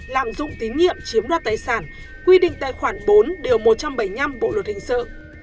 lạm dụng tín nhiệm chiếm đoạt tài sản quy định tài khoản bốn điều một trăm bảy mươi năm bộ luật hình sự